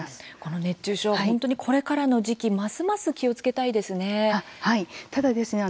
熱中症、本当にこれからの時期ますます気をつけたいですね。